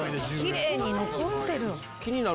きれいに残ってる。